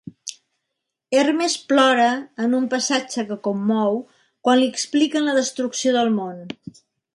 Hermes plora, en un passatge que commou, quan li expliquen la destrucció del món.